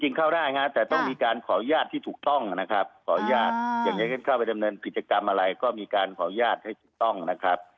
เข้าได้ฮะแต่ต้องมีการขออนุญาตที่ถูกต้องนะครับขออนุญาตอย่างนี้เข้าไปดำเนินกิจกรรมอะไรก็มีการขออนุญาตให้ถูกต้องนะครับ